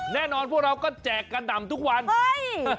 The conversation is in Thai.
แน่นอนพวกเราก็แจกกะหนำทุกวัน